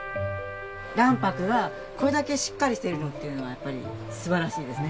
卵白がこれだけしっかりしているのっていうのはやっぱり素晴らしいですね。